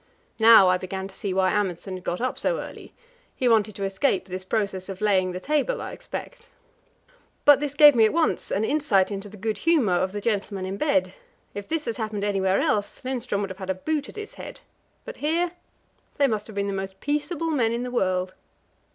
Now I began to see why Amundsen had got up so early; he wanted to escape this process of laying the table, I expect. But this gave me at once an insight into the good humour of the gentlemen in bed: if this had happened anywhere else, Lindström would have had a boot at his head. But here they must have been the most peaceable men in the world.